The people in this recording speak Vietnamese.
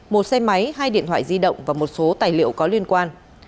một xe máy hai điện thoại di động và một số tài liệu có liên quan